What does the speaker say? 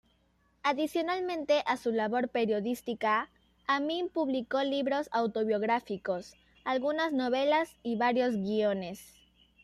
Adicionalmente a su labor periodística, Amin publicó libros autobiográficos, algunas novelas y varios guiones.